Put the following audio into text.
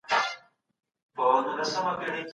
زه پرون د سبا لپاره د نوټونو بشپړونه کوم وم.